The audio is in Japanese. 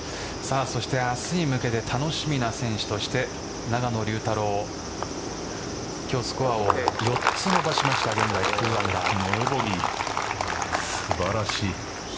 そして明日に向けて楽しみな選手として永野竜太郎今日スコアを４つ伸ばしました現在、２アンダー素晴らしい。